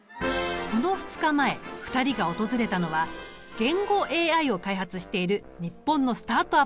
この２日前２人が訪れたのは言語ＡＩを開発している日本のスタートアップ企業。